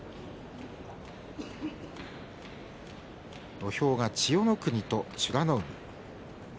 土俵は千代の国と美ノ海。